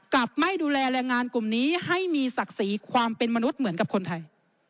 ไม่ดูแลแรงงานกลุ่มนี้ให้มีศักดิ์ศรีความเป็นมนุษย์เหมือนกับคนไทย